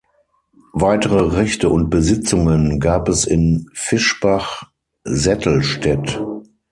Weitere Rechte und Besitzungen gab es in Fischbach, Sättelstädt.